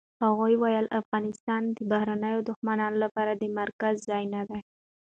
هغه ویلي، افغانستان د بهرنیو دښمنانو لپاره د مرکز ځای نه دی.